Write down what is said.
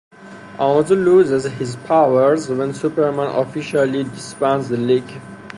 Amazo loses his powers when Superman officially disbands the league.